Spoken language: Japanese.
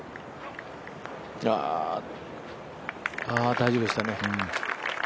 大丈夫でしたね。